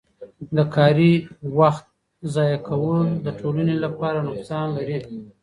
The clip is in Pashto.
د کاري وخت ضایع کول د ټولنې لپاره نقصان لري.